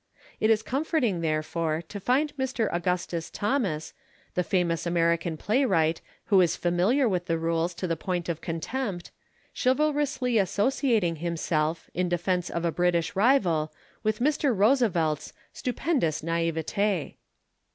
It is comforting, therefore, to find Mr. Augustus Thomas, the famous American playwright, who is familiar with the rules to the point of contempt, chivalrously associating himself, in defence of a British rival, with Mr. Roosevelt's "stupendous naïveté."